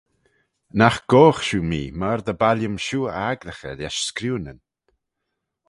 Nagh goghe shiu mee myr dy baillym shiu y agglaghey lesh screeunyn.